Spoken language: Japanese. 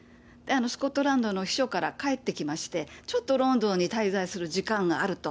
スコットランドの避暑から帰ってきまして、ちょっとロンドンに滞在する時間があると。